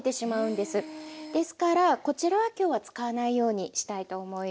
ですからこちらは今日は使わないようにしたいと思います。